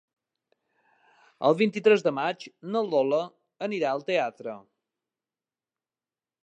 El vint-i-tres de maig na Lola anirà al teatre.